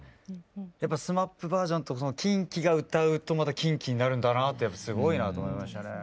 やっぱＳＭＡＰバージョンとＫｉｎＫｉが歌うとまたＫｉｎＫｉになるんだなってすごいなと思いましたね。